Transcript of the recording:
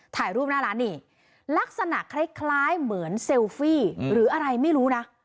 ถ่ายรูปหน้าร้านนี่ลักษณะคล้ายเหมือนเซลฟี่หรืออะไรไม่รู้นะ